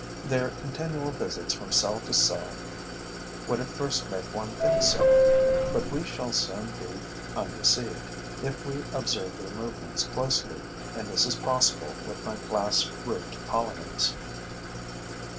Their continual visits from cell to cell would at first make one think so; but we shall soon be undeceived if we observe their movements closely; and this is possible with my glass roofed colonies.